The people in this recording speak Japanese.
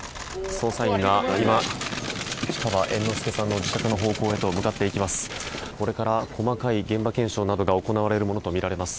捜査員が市川猿之助さんの自宅の方向へと向かっていきます。